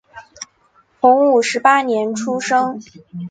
洪武十八年出生。